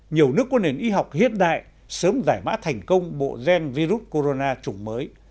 nhiều nước có nền y học hiện đại sớm giải mã thành công bộ gen virus corona chủng mới